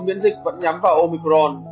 nguyễn dịch vẫn nhắm vào omicron